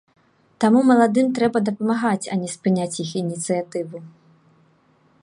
Таму маладым трэба дапамагаць, а не спыняць іх ініцыятыву.